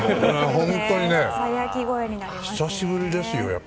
本当に久しぶりですよ。